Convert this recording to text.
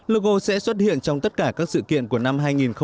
logo sẽ xuất hiện trong tất cả các sự kiện của năm hai nghìn một mươi chín